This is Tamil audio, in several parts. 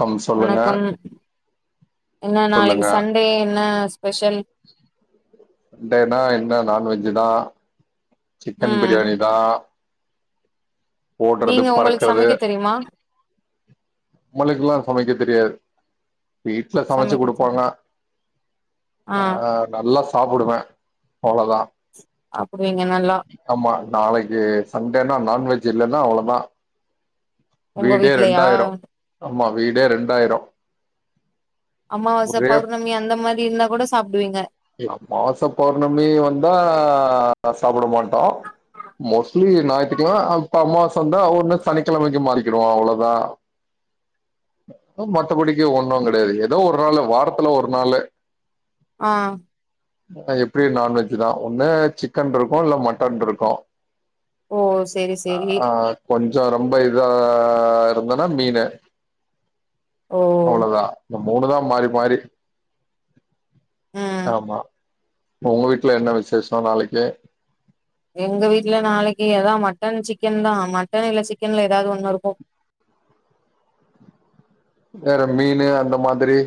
கம் சொல்லுங்க வணக்கம் என்ன நாளைக்கு சொல்லுங்க சண்டே என்ன ஸ்பெஷல் சண்டேனா என்ன நான்வெஜ் தா சிக்கன் ம் பிரியாணி தா ஓட்றது நீங்க உங்களுக்கு பறக்குறது சமைக்க தெரியுமா உங்களுக்குல்லா சமைக்க தெரியாது வீட்ல சமைச்சி சமைக்க தெரியு குடுப்பாங்க ஆ நல்லா சாப்புடுவே அவ்ளதா சாப்பிடுவீங்க நல்லா ஆமா நாளைக்கி சண்டேனா நான்வெஜ் இல்லன்னா அவ்ளதா உங்க வீடே வீட்லயா ரெண்டாயிரு ஆமா வீடே ரெண்டாயிரு அமாவாச ஒரே பௌர்ணமி அந்த மாரி இருந்தா கூட சாப்டுவீங்க அமாவாச பௌர்ணமி வந்தா சாப்ட மாட்டோ மோஸ்ட்லி ஞாயித்துக்கிழமை அப்ப அமாவாச வந்த ஒன்னு சனிக்கெழமைக்கி மாறிக்கிடுவோ அவ்ளதா மத்தபடிக்கி ஒண்ணு கெடையாது ஏதோ ஒரு நாள் வாரத்துல ஒரு நாளு ஆ எப்டியு நான்வெஜ் தா ஒன்னு சிக்கன் இருக்கு இல்ல மட்டன் இருக்கு ஓ செரி செரி ஆ கொஞ்சோ ரொம்ப இதா இருந்தேன்னா மீனு ஓ அவ்ளவுதா இந்த மூணுதா மாறி மாறி ம் ஆமா உங்க வீட்ல என்ன விசேஷோ நாளைக்கு எங்க வீட்ல நாளைக்கி ஏதா மட்டன் சிக்கன்தா மட்டன் இல்ல சிக்கன்ல ஏதாது ஒண்ணு இருக்கு வேற மீனு அந்த மாதிரி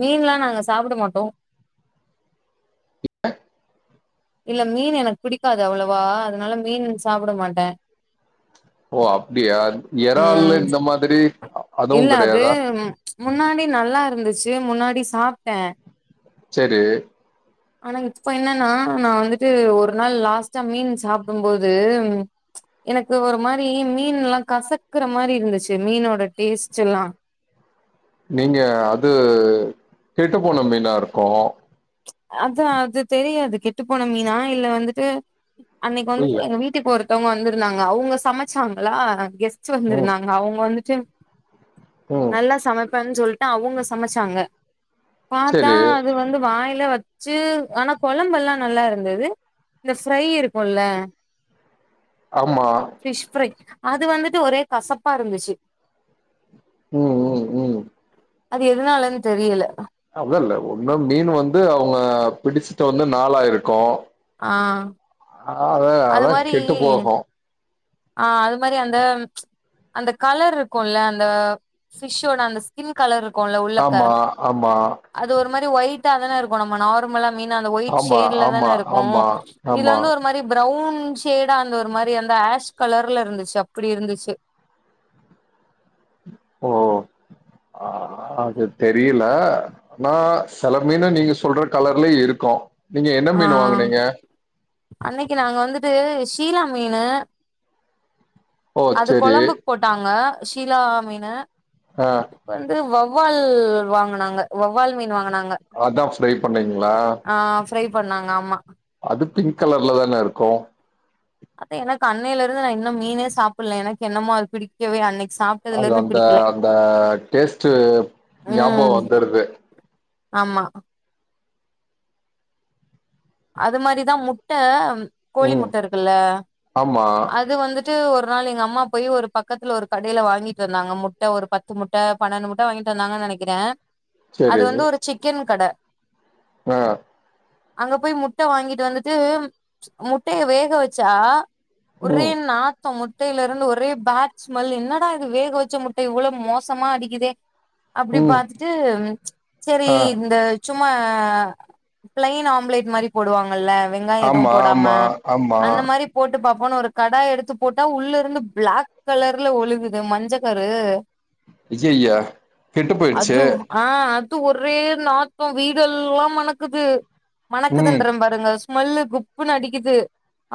மீன்லா நாங்க சாப்ட மாட்டோ இல்ல மீனு எனக்கு பிடிக்காது அவ்ளவா அதனால மீன் சாப்ட மாட்ட ஓ அப்டியா எறாலு ம் இந்த மாதிரி அதுவு இல்ல அது கெடையாதா முன்னாடி நல்லா இருந்துச்சி முன்னாடி சாப்டே சேரி ஆனா இப்ப என்னென்னா நா வந்துட்டு ஒரு நாள் லாஸ்ட்டா மீன் சாப்புடும் போது எனக்கு ஒரு மாரி மீன்லா கசக்கற மாரி இருந்துச்சி மீனோட டேஸ்ட்லா நீங்க அது கெட்டு போன மீனா இருக்கு அதா அது தெரியாது கெட்டு போன மீனா இல்ல வந்துட்டு அன்னைக்கி இல்ல வந்துட்டு எங்க வீட் வீட்டுக்கு ஒருத்தவங்க வந்திருந்தாங்க அவுங்க சமச்சாங்ளா கெஸ்ட் கெஸ்ட் ம் வந்திருந்தாங்க அவுங்க வந்துட்டு ம் நல்லா சமைப்பேன்னு சொல்லிட்டு அவுங்க சமைச்சாங்க பாத்தா சேரி அது வந்து வாய் கைல வச்சி ஆனா கொழம்பு எல்லா நல்லா இருந்தது இந்த ஃப்ரை இருக்குல்ல ஆமா ஃபிஷ் ஃப்ரை அது வந்துட்டு ஒரே கசப்பா இருந்துச்சி ம் ம் ம் அது எதுனாலன்னு தெரியல அதுல்ல ஒன்னு மீனு வந்து அவுங்க பிடிச்சிட்டு வந்து நாளாயிருக்கு ஆ அதா அது அதா மாரி கெட்டு போகு ஆ அது மாரி அந்த அந்த கலர் இருக்குல்ல அந்த ஃபிஷ்ளோட அந்த ஸ்கின் கலர் இருக்குல்ல உள்ளக்க ஆமா ஆமா அது ஒரு மாரி ஒயிட்டா தானே இருக்கு இப்ப நம்ம நார்மலா மீன் அந்த ஒயிட் ஆமா ஷேட்ல ஆமா தானே இருக்கு ஆமா இதுல ஆமா வந்து ஒரு மாரி ப்ரவுன் ஷேடா அந்த ஒரு மாரி அந்த ஆஷ் கலர்ல இருந்துச்சி அப்டி இருந்துச்சி ஓ ஆ அது தெரியல ஆனா செல மீனு நீங்க சொல்ற கலர்லையு இருக்கு நீங்க என்ன ஆ மீன் வாங்குனீங்க அன்னைக்கி நாங்க வந்துட்டு சீலா மீனு ஓ அது செரி கொழம்புக் போட்டாங்க ஷீலா மீனு ஆ வந்து வவ்வால் வாங்கனாங்க வவ்வால் மீன் வாங்கனாங் அதா ஃப்ரை பண்ணீங்களா ஃப்ரை பண்ணாங்க அம்மா அது பிங் கலர்ல தான இருக்கும் அத எனக்கு அன்னையில இருந்து நா இன்னு மீனே சாப்டல எனக்கு என்னமோ அது பிடிக்கவே அன்னைக்கு சாப் அது அந்த அந்த டேஸ்ட்டு ஞாபக ம் வந்துருது ஆமா அது மாரிதா முட்ட கோழி ம் முட்ட இருக்குல்ல ஆமா அது வந்து வந்து ஒரு நாள் எங்க அம்மா போய் ஒரு பக்கத்துல ஒரு கடையில வாங்கிட்டு வந்தாங்க முட்ட ஒரு பத் முட்ட பன்னெண்டு முட்ட வாங்கிட்டு வந்தாங்கனு நினைக்கிற அது செரி வந்து ஒரு சிக்கன் கட அ அங்க போய் முட்ட வாங்கிட்டு வந்துட்டு முட்டய வேக வச்சா ஒரே ம் நாத் முட்டையில இருந்து ஒரே பேட் ஸ்மெல் என்னடா இது வேக வச்ச முட்ட இவ்வளவு மோசமா அடிக்குதே அப்டி ம் பாத்துட்டு சேரி ஆ இந்த சும்மா பிளைன் ஆம்பலேட் மாரி போடுவாங்கல்ல வெங்காயோ எது ஆமா போடாம ஆமா ஆமா அந்த மாரிப் போட்டு பாப்போம்னு ஒரு கடா எடுத்து போட்டா உள்ள இருந்து பிளாக் கலர்ல ஒழுகுது மஞ்ச கரு ஐஐய கெட்டு போயிருச்சு அது ஆ அது ஒரே நாத்தோ வீடெல்லா மணக்குது ம் மணக்குதன்ற பாருங்க ஸ்மெல்லு குப்புன்னு அடிக்குது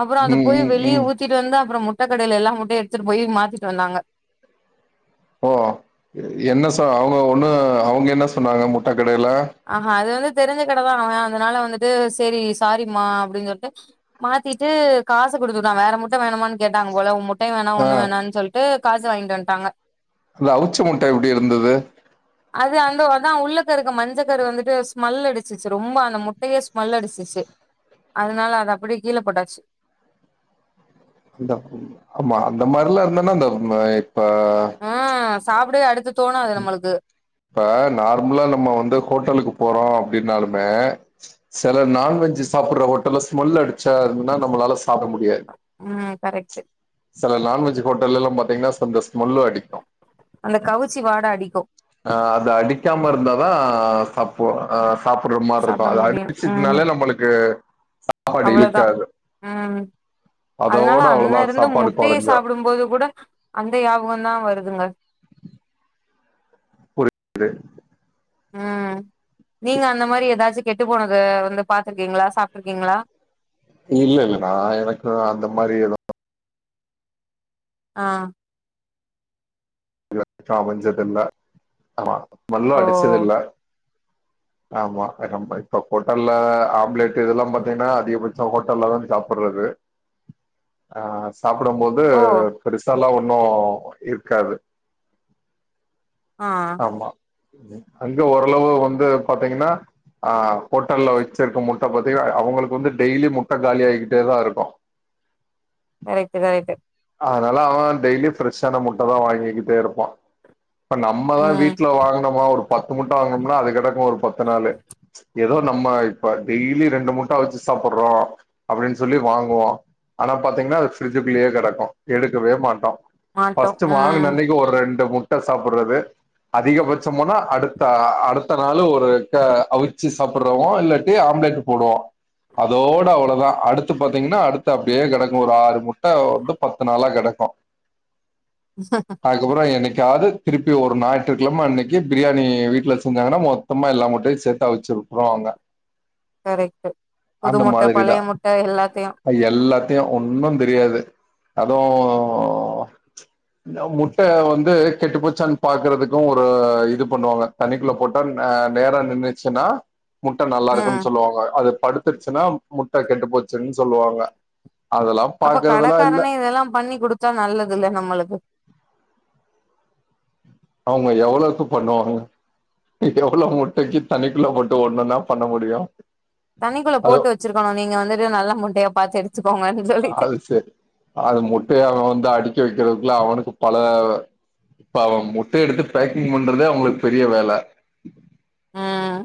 அப்பறோ அத ம் போயி ம் வெளியே ம் ஊத் சுத்திட்டு வந்து அப்பறோ முட்ட கடயில எல்லா முட்டயு எடுத்துட்டு போய் மாத்திட்டு வந்தாங்க ஓ என்ன சொ அவுங்க ஒண்ணு அவுங்க என்ன சொன்னாங்க முட்ட கடையில ஆஹா அது வந்து தெரிஞ்ச கட தா அவ அதனால வந்துட்டு சேரி சாரிம்மா அப்டின்னு சொல்ட்டு மாத்திட்டு காசு குடுத்துட்டா வேற மட்டு வேணுமான்னு கேட்டாங்க போல முட் முட்டையு வேணா ஆ ஒண்ணு வேணானு சொல்ட்டு காசு வாங்கிட்டு வன்டாங்க அந்த அவுச்ச முட்ட எப்டி இருந்தது அது அந்த அதா உள்ளக்க இருக்க மஞ்ச க்கரு வந்துட்டு ஸ்மெல் அடிச்சிச்சு ரொம்ப அந்த முட்டயே ஸ்மெல் அடிச்சிச்சு அதுனால அது அப்டியே கீழ போட்டாச்சு அந்தப் ஆமா அந்த மாரிலா இருந்தனா அந்த மா இப்ப அ சாப்டவே அடுத்து தோணாது நம்மளுக்கு இப்ப நார்மலா நம்ம வந்து ஹோட்டலுக்கு போறோ அப்டின்னாலுமே சில நான்வெஜ் சாப்ற ஹோட்டல்ல ஸ்மெல் அடிச்சா நம்மளால சாப்ட முடியாது ம் கரெக்ட் சில நான்வெஜ் ஹோட்டல்ல எல்லா பாத்தீங்கன்னா சொந்த ஸ்மெல்லு அடிக்கு அந்த கவுச்சி வாட அடிக்கு ஆ அது அடிக்காம இருந்தாதா சாப் அப்போ அ சாப்டுற மாரி இருக்கு சாப்ட அது முடியு அடிச்சதுனாலே நம்மளுக்கு சாப்பாடு அவ்வளதா இழுக்காது ம் அதனால அதோட அண்ண அவ்ளோதா இருந்து சாப்பாடு முட்டையை கொறஞ்சு சாப்பிடும்போது கூட அந்த யாபகம்தா வருதுங்க [unintelligible] ம் நீங்க அந்த மாரி ஏதாச்சு கெட்டு போனது வந்து பாத்துருக்கீங்களா சாப்ட்டுருக்கீங்களா இல்ல இல்ல நா எனக்கு அந்த மாதிரி ஏது ஆ இதத்தா அமஞ்சது இல்ல அ ஸ்மல்லு ஓ அடிச்சது இல்ல ஆமா நம்ப இப்ப ஹோட்டல்ல ஆம்லெட் இதெல்லா பாத்தீங்கன்னா அதிகபட்சோ ஹோட்டல்தான சாப்புட்றது அ சாப்புடும்போது ஓ பெருசால்லா ஒன்னு இருக்காது ஆ ஆமா, அங்க ஓரளவு வந்து பாத்தீங்கனா ஆ ஹோட்டல்ல வச்சிருக்க முட்ட பத்திங்கனா அவங்களுக்கு வந்து டெய்லி முட்ட காலியா ஆகிக்கிட்டதா இருக்கு கரெக்ட் கரெக்ட் அதனால அவ டெய்லி ஃப்ரெஷ்ஷான முட்டதா வாங்கிக்கிட்டே இருப்பா இப்ப நம்மதா ம் வீட்ல வாங்கனோமா ஒரு பத்து முட்டை வாங்கோம்னா அது கெடக்கு ஒரு பத்து நாளு எதோ நம்ம இப்ப டெய்லி ரெண்டு முட்ட அவுச்சு சாப்புட்றோ அப்டின் சொல்லி வாங்குவோ ஆனா பாத்தீங்னா அது பிரிட்ஜுக்குள்ளயே கெடக்கு எடுக்கவே மாட்டோ மாட்டோ ஃபர்ஸ்ட் வாங்கன ம் அன்னைக் ஒரு ரெண்டு முட்ட சாப்புட்றது அதிகபட்சம் போனா அடுத்த அ அடுத்த நாளு ஒரு க அவிச்சு சாப்புட்றமோ இல்லாட்டி ஆம்லேட் போடுவோ அதோட அவ்வளதா அடுத்து பாத்தீங்னா அடுத்து அப்டியே கெடக்கு ஒரு ஆறு முட்ட வந்து பத்து நாளா கெடக்கு ஹ அதுக்கப்பறோ என்னைக்காது திருப்பி ஒரு ஞாயிற்றுக்கிழமை அன்னைக்கு பிரியாணி வீட்டில் செஞ்சாங்கனா மொத் மொத்தமா எல்லா முட்டையு சேத்து அவிச்சு வுட்டுருவாங்க கரெக்ட் புது முட்டை மாதிரிதா பழைய முட்டை எல்லாத்தையு அது எல்லாத்தையு ஒன்னு தெரியாது அதும் இந்த முட்டை வந்து கெட்டுப்போச்சான்னு பாக்குறதுக்கு ஒரு இது பண்ணுவாங்க தனிக்குள்ள போட் முட்டை அ நேரா நின்னுச்சுன்னா முட்டை நல்லா ம் இருக்குன்னு சொல்லுவாங்க, அது படுத்துருச்சுனா முட்டை கெட்டு போச்சுன்னு சொல்லுவாங்க அதெல்லா அப்ப பாக்குறதெல்லா இல்ல கடக்காரனே இதெல்லா பண்ணி குடுத்தா நல்லதுல்ல நம்மளுக்கு அவங்க எவ்ளோவுக்கு பண்ணுவாங்க எவ்ளோ முட்டைக்கி தண்ணிக்குள்ள போட்டு ஒன்னொன்னா பண்ண முடியு தண்ணிக்குள்ள அது போட்டு வச்சிருக்கோணு நீங்க வந்துட்டு நல்ல முட்டையா பாத்து எடு அது சேரி, அது முட்ட அவ வந்து அடுக்கி வைக்கிறதுக்குள்ள அவனுக்கு பல பாவம் முட்டை எடுத்து பேக்கிங் பண்றதே அவங்களுக்கு பெரிய வேல ம்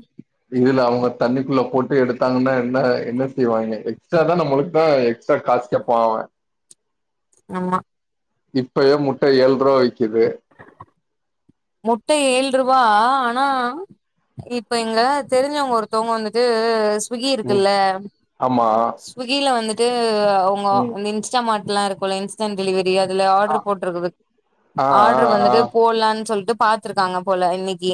இதுல அவங்க தண்ணிக்குள்ள போட்டு எடுத்தாங்கன்னா என்ன என்ன செய்வாங்க எக்ஸ்ட்ராதா நம்மளுக்குதா எக்ஸ் எக்ஸ்டா காசு கேப்பா அவ ஆமா இப்பயே முட்ட ஏழு ரூவா விக்குது முட்ட ஏழு ரூவா ஆனா இப்ப இங்க தெரிஞ்சவங்க ஒருத்தவங்க வந்துட்டு ஸ்விகி ம் இருக்குல்ல ஆமா ஸ்விகில வந்துட்டு அவங்க ம் அந்த இன்ஸ் இன்ஸ்டா மார்ட்லா இருக்கும்ல இன்ஸ் அமேசான் டெலிவரி அதுல ஆ ஆர்டர் போட்டிருக்குது ஆ ஆ ஆர்டர் ஆ. வந்துட்டு போட்லானு சொல் ட்டு பாத்துருக்காங்க போல இன்னைக்கி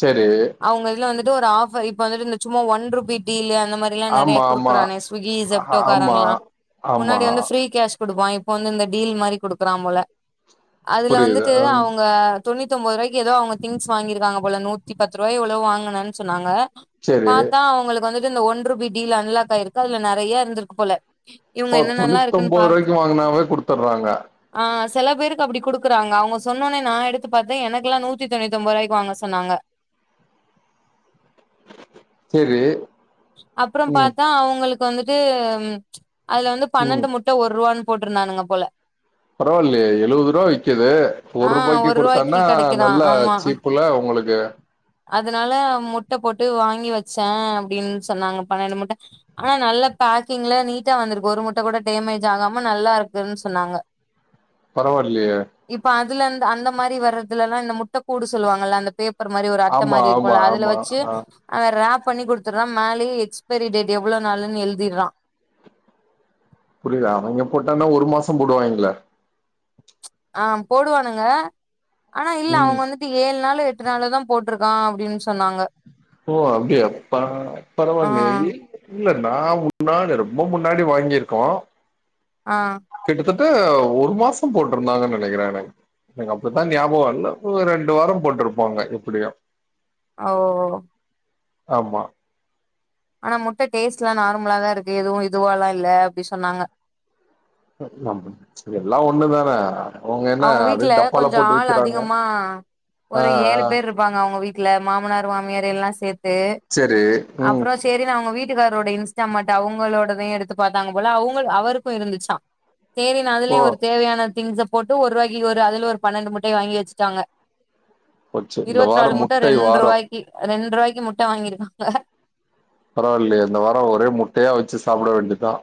சேரி அவங்க இதுல வந்துட்டு ஒரு ஆஃபர், இப்ப வந்துட்டு இந்த சும்மா ஒன் ரூபி டீல் அந்த மாரி எல்லா நறைய ஆமா ஆமா குடுக்குறானே ஸ்விகி ஆஹா, ஆமா ஜெப்டோகாரன்ல்லா ஆமா முன்னாடி வந்து ஃப்ரீ கேஷ் குடுப்பா, இப்ப வந்து இந்த டீல் மாரி குடுக்குறா போல அதுல புரியுது வந்துட்டு ம் அவங்க தொண்ணூத்திஒம்போது ரூவாய்க்கு ஏதோ அவங்க திங்ஸ் வாங்கிருக்காங்க போல நூத்தி பத்து ரூபாய்யோ எவ்ளோ வாங்கனன்னு சொன்னாங்க சரி பாத்தா அவங்களுக்கு வந்துட்டு இந்த ஒன்ரூபி டீல் அன்லாக் ஆயிருக்கு அதுல நெறைய இருந்திருக்கு போல இவங்க ஓ என்னென்னல்லா இருக்குன்னு தொண்ணூத்தொன்போது பாத் ரூவாய்க்கு வாங்கினாவே குடுத்தட்றாங்க ஆ செல பேருக்கு அப்டி குடுக்குறாங்க அவ்ங்க சொன்னோனே நா எடுத் த்து பாத்தே எனக்குலா நூத்தி தொண்ணுத்தி ஒன்போது ரூவாய்க்கு வாங்க சொன்னாங்க சேரி அப்றோம் பாத்தா அவுங்களுக்கு வந்துட்டு அதுல வந்து ம் பன்னெண்டு முட் ட்ட ஒர்ருவான்னு போட்ருந்தானுங்க போல பரவால்லையே எழுவது ரூவா விக்குது ஒரு ஆ ரூபாய்க்கு ரூவாய்க்கு குடுத்தான்னா கெடைக்குதா நல்ல சீப்புல ஒங்களுக்கு அதுனால முட்ட போட்டு வாங்கி வச்சே அப்டின்னு சொன்னாங்க பன்னெண்டு முட்ட ஆனா நல்ல பேக்கிங்ல நீட்டா வந்துருக்கு ஒரு முட்ட கூட டேமேஜ் ஆகாம நல்லா இருக்குன் சொன்னாங்க [inaudible] பரவால்லியே இப்ப அதுலந்து அந்த மாரி வர்றதுல லாம் இந்த முட்ட கூடு சொல்லுவாங்கள்ல அந்த பே பர் மாரி ஒரு அட்ட ஆமா மாரி ஆமா இருக்கும்ல அதுல ஆமா வச்சு ஆ அத ராப் பண்ணி குடுத்துட்றா மேலயும் எக்ஸ்பைரி டேட் எவ்ளோ நாளுன்னு எழுதிர்றா புரியல அவங்கே போட்டானா ஒரு மாசோ போடுவாங்கெளே ஆ போடுவானுங்க ஆனா இல்ல ம் அவ்ங்க வந்து இது ஏழு நாள் எட்டு நாளோதா போட்ருக்கா அப்டின்னு சொன்னாங்க ஓ அப்டியா பா ஆ பரவால்லயே ய் இல்ல நா முன்னாடி ரொம்ப முன்னாடி வாங்கிருக்கோ ஆ கிட்டத்தட்ட ஒரு மாசோ போட்ருந்தாங்கன்னு நெனக்கிறே எனக் எனக்கு அப்பத்தா ஞாபகம் என்னப்பு ரெண்டு வாரோ போட்ருப்பாங்க எப்டியும் அவ்வோ ஆமா ஆனா முட்ட டேஸ்ட் லாம் நார்மலா தான் இருக்கு எதுவும் இதுவா லாம் இல்ல அப்டி சொன்னாங்க நம்பு இதெல்லா ஒண்ணு வேணா அவுங்க வீட்ல கொஞ்சோ ஆளு அதிகமா ஆ ஒரு ஏழு ஆ பேர் இருப் ப்பாங்க அவுங்க வீட்ல மாமனார் மாமியார் எல்லா சேத்து செரி ம் அப்றோம் ச்சு தேரினு அவ்ங்க வீட்டுக்காரோட இன்ஸ்டாமாட் அவங்களோடதையும் எடுத்து பாத்தாங்க போல அவுங்க அவருக்கு இருந்துச்சா சேரினு ஓ அதுலயு ஒரு தேவையான திங்ஸ போட்டு ஒருவாக்கி இவரு அதுல ஒரு பன்னெண்டு முட்டய வாங்கி வச்ட்டாங்க போச்சு இந்த இருவத்து நாலு வாரம் முட்ட முட்டை வாரம் ரெண்ட்ருவாய்க்கு ரெண்ட்ருவாய்க்கு முட்ட வாங்கிருக்காங்க பரவால்லையே இந்த வாரோ ஒரே முட்டையா வச்சு சாப்ட வேண்டிதா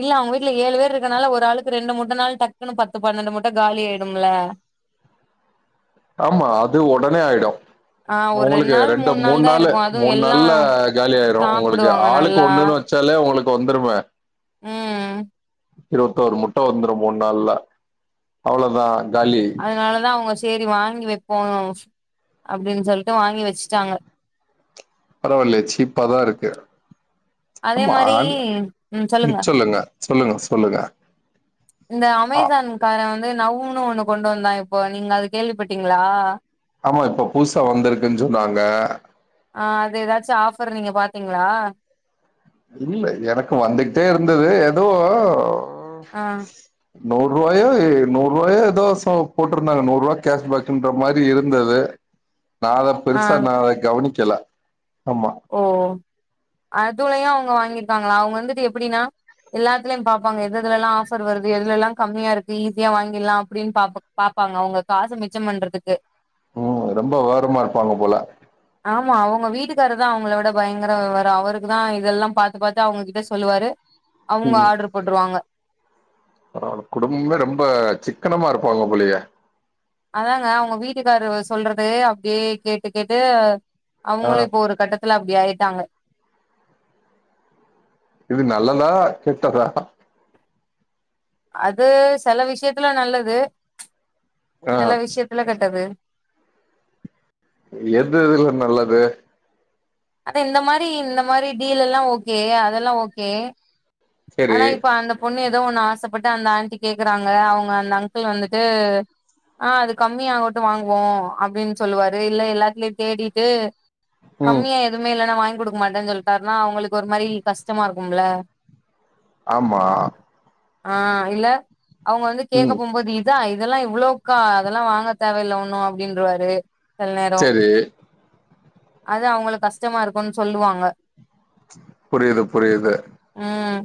இல்ல அவுங்க வீட்ல ஏழு வேர் இருக்கனால ஒரு ஆளுக்கு ரெண்டு முட்டனாலும் டக்குனு பத்து பன்னெண்டு முட்ட காலி ஆயிடும்ல [inaudible] ஆமா அது ஒடனே ஆயிடு ஆ ஒரு உங்களுக்கு நாள் ரெண்டு நாள் மூணு தா நாளு இருக்கு அதுவு மூணு எல்லா நாள்ல காலி ஆயிரும் உங்களுக்கு சாப்டுவாங்க ஆளுக்கு நல்லா ஒண்ணுன்னு வ வச்சாலே உங்களுக்கு வந்துருமே ம் ம் இருவத்தோரு முட்ட வந்துரும் மூண் நாள்ல அவ்ளோதா காலி அதனாலதா அவுங்க சேரி வாங்கி வெப்போம் அப்டின்னு சொல்ட்டு வாங்கி வெச்ட்டாங்க பரவால்லையே சீப்பாதாருக்கு அதே மாரி அம்மான் ம் சொல்லுங்க சொல்லுங்க சொல்லுங்க இந்த ஆ அமேசான் காரே வந்து நவ்னு ஒண்ணு கொண்டு வந்தா இப்போ நீங்க அத கேள்விப்பட்டீங்களா ஆமா இப்ப புதுசா வந்துருக்குன்னு சொன்னாங்க ஆ அது ஏதாச்சும் ஆஃபர் நீங்க பாத்தீங்களா இல்ல எனக்கு வந்துட்டே இருந்துது எதோ ஓ ஆ நூர் ருவாயோ நூர் ருவாயோ ஏதோ சொ போட்ருந்தாங்க நூறு ருவா கேஷ் பேக்குன்ற மாரி இருந்துது [inaudible] நா அதா ஆ பெருசா நா அத கவனிக்கல ஆமா ஓ அதுலயா அவுங்க வாங்கிருக்காங்களா அவுங்க வந்துட்டு எப்டின்னா எல்லாத்துலயு பாப்பாங்க எது எதுல எல்லா ஆஃபர் வருது எதுல்லா கம்மியா இருக்கு ஈஸியா வாங்கிடலா அப்டின்னு பாப் பாப்பாங்க அவுங்க காச மிச்சம் பண்றதுக்கு ம் ரொம்ப விவரமா இருப்பாங்க போல ஆமா அவங்க வீட்டுக்கு வீட்டுக்காரு தா அவங்கள விட பயங்கர விவரோ அவருக்கு தா இதெல்லா பாத்து பாத்து அவுங்ககிட்ட சொல்லுவாரு அவுங்க ஆர்ட்ரு போட்டுருவாங்க ஆ குடும்பமே ரொம்ப சிக்கனமா இருப்பாங்க போலியே அதாங்க அவங்க வீட்டுக்காரு சொல்றது அப்டியே கேட்டு கேட்டு ஆ அவங்களு இப்போ ஒரு கட்டத் ல அப்டி ஆயிட்டாங்க இது நல்லதா கெட்டதா அது சில விஷயத்துல நல்லது ஆ சில விஷயத்துல கெட்டது எது இதுல நல்லது அத இந்த மாரி இந்த மாரி டீல் எல்லா ஓகே அதெல்லா ஓகே சரி ஆனா இப்ப அந்த பொண்ணு ஏதோ ஒண்ணு ஆசப்பட்டு அந்த ஆண்டி கேக்குறாங்க அவுங்க அந்த அங்கிள் வந்துட்டு ஆ அது கம்மியாகட்டு வாங்குவோ அப்டின்னு சொல்லுவாரு இல்ல எல்லாத்லயு தேடிட்டு ம் கம்மியா எதுவுமே இல்லன்னா வாங்கி கொடுக்க மாட்டேன்னு சொல்லிட்டாருன்னா அவுங்களுக்கு ஒரு மாரி கஷ்டமா இருக்கும்ல ஆமா ஆ இல்ல அவுங்க வந்து கேட்க ம் போகுபோது இப் இதா இதெல்லா இவ்ளோக்கா அதெல்லா வாங்க தேவயில்ல ஒண்ணு அப்டின்றுவாரு சில நேர சே இது அவுங்களுக்கு கஷ்டமா இருக்கும்னு சொல்லுவாங்க புரியுது புரியுது ம்